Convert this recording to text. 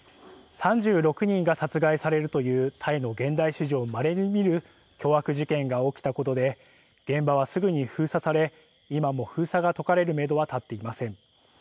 ３６人が殺害されるというタイの現代史上まれに見る凶悪事件が起きたことで現場は、すぐに封鎖され今も封鎖が解かれるめどは立っていません。